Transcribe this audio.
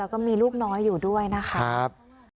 แล้วก็มีลูกน้อยอยู่ด้วยนะครับ